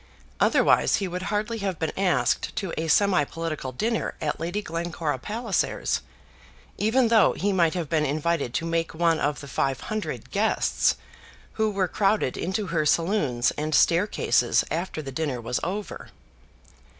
Otherwise he would hardly have been asked to a semi political dinner at Lady Glencora Palliser's, even though he might have been invited to make one of the five hundred guests who were crowded into her saloons and staircases after the dinner was over.